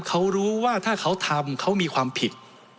เขารู้ว่าถ้าเขาทำเขามีความผิด